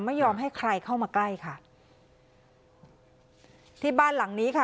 ไม่ยอมให้ใครเข้ามาใกล้ค่ะที่บ้านหลังนี้ค่ะ